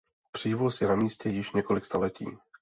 Přívoz je na místě již několik staletí.